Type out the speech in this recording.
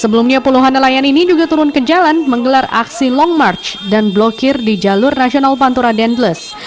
sebelumnya puluhan nelayan ini juga turun ke jalan menggelar aksi long march dan blokir di jalur nasional pantura dendles